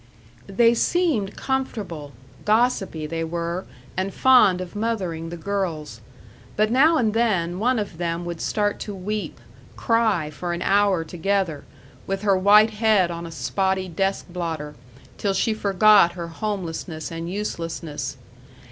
They seemed comfortable; gossipy they were, and fond of mothering the girls. But now and then one of them would start to weep, cry for an hour together, with her white head on a spotty desk blotter, till she forgot her homelessness and uselessness.